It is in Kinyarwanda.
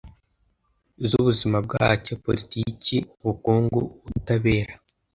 z'ubuzima bwacyo (politiki, ubukungu, ubutabera